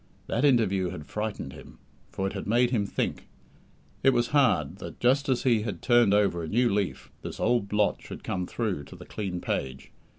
That interview had frightened him, for it had made him think. It was hard that, just as he had turned over a new leaf, this old blot should come through to the clean page.